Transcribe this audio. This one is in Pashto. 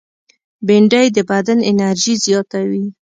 بېنډۍ د بدن انرژي زیاتوي